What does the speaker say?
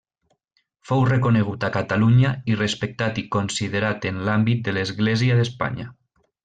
Fou reconegut a Catalunya i respectat i considerat en l'àmbit de l'Església d'Espanya.